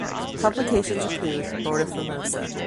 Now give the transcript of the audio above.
Publications include "Lord of Formosa".